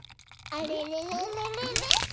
あれれれれれれ？